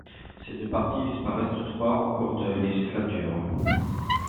Ces deux partis disparaissent toutefois en cours de législature.